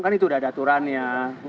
kan itu udah ada aturannya